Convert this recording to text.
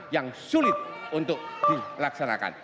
yang sulit untuk dilaksanakan